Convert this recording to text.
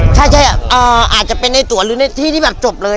ใช่อาจจะเป็นในตัวหรือในที่ที่แบบจบเลย